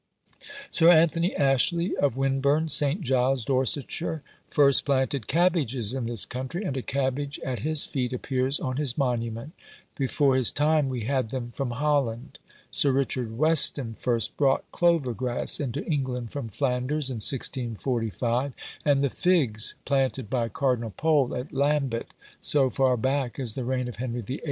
Sir Anthony Ashley, of Winburne St. Giles, Dorsetshire, first planted cabbages in this country, and a cabbage at his feet appears on his monument: before his time we had them from Holland. Sir Richard Weston first brought clover grass into England from Flanders, in 1645; and the figs planted by Cardinal Pole at Lambeth, so far back as the reign of Henry VIII.